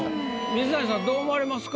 水谷さんどう思われますか？